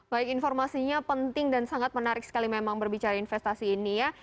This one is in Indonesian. baik informasinya penting dan sangat menarik sekali memang berbicara investasi ini ya